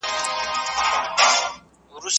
ابن خلدون وایي چي دولت کډه په شاته جوړېږي.